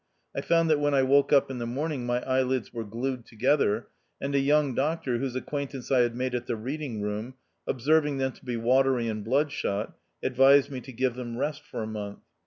I found that when I woke up in the morning, my eyelids were glued together, and a young doctor, whose ac quaintance I had made at the reading room, observing them to be watery and bloodshot, advised me to give them rest for a month.